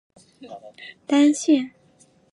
单县各乡镇设有卫生院或医院。